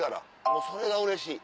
もうそれがうれしい。